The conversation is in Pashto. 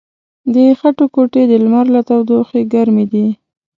د خټو کوټې د لمر له تودوخې ګرمې دي.